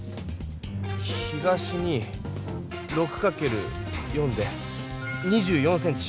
東に６かける４で２４ｃｍ。